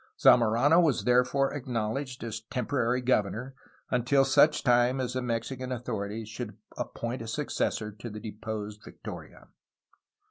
Zamorano was therefore acknowledged as temporary governor until such time as the Mexican author ities should appoint a successor to the deposed Victoria.